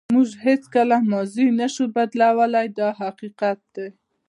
موږ هیڅکله ماضي نشو بدلولی دا حقیقت دی.